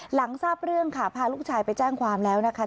หลังทราบเรื่องค่ะพาลูกชายไปแจ้งความแล้วนะคะ